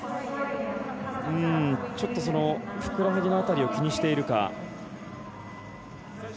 ちょっと、ふくらはぎの辺りを気にしているか。